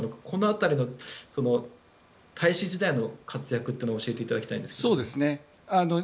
この辺りの大使時代の活躍というのを教えていただきたいんですが。